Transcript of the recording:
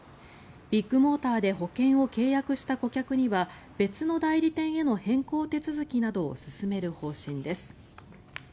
ビッグモーターで保険を契約した顧客には別の代理店への変更手続きなどを進める方針です。